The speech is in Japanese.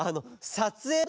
さつえい！？